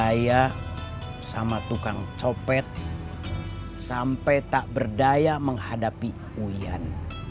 berdaya sama tukang copet sampai tak berdaya menghadapi uian